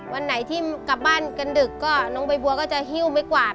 วันไหนที่กลับบ้านกันดึกก็น้องใบบัวก็จะหิ้วไม่กวาด